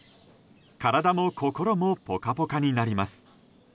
体も心もポカポカになります。